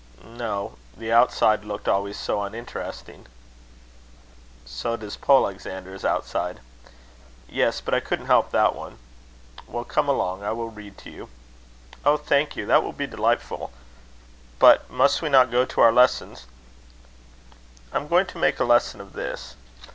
"No. The outside looked always so uninteresting." "So does Polexander's outside." "Yes. But I couldn't help that one." "Well, come along. I will read to you." "Oh! thank you. That will be delightful. But must we not go to our lessons?" "I'm going to make a lesson of this.